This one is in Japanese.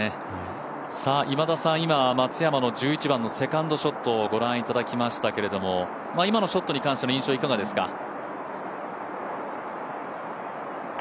今田さん、今の松山の１１番のセカンドショット御覧いただきましたが今のショットに関しての印象はいかがですか？